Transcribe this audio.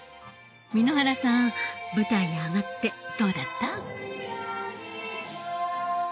簑原さん舞台に上がってどうだった？